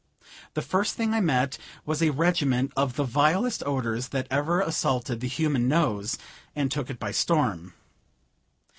The first thing I met was a regiment of the vilest odors that ever assaulted the human nose, and took it by storm.